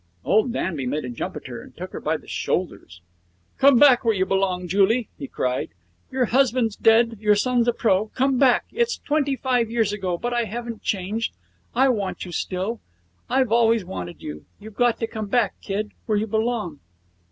Old Danby made a jump at her, and took her by the shoulders. 'Come back where you belong, Julie!' he cried. 'Your husband's dead, your son's a pro. Come back! It's twenty five years ago, but I haven't changed. I want you still. I've always wanted you. You've got to come back, kid, where you belong.'